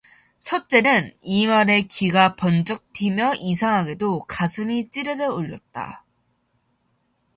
첫째는 이 말에 귀가 번쩍 틔며 이상하게도 가슴이 찌르르 울렸다.